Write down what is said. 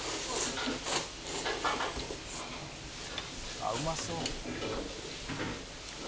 「あっうまそう」